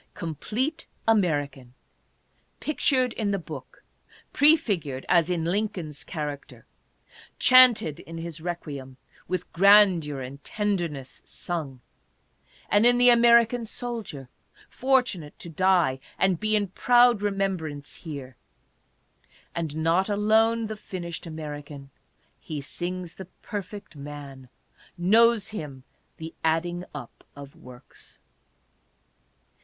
Complete American, pic tured in the Book ; prefigured, as in Lincoln's character, chanted in his requiem, with grandeur and tenderness sung ; and in the American soldier, fortunate to die and be in proud remembrance here. And not alone the finished American : he sings the Per fect Man ; knows him " the adding up of works."